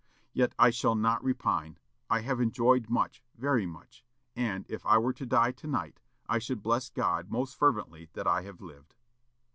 Yet I should not repine; I have enjoyed much, very much; and, if I were to die to night, I should bless God most fervently that I have lived."